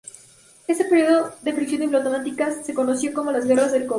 Este período de fricción diplomática se conoció como las guerras del cóctel.